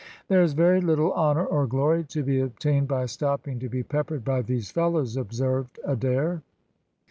"There is very little honour or glory to be obtained by stopping to be peppered by these fellows," observed Adair.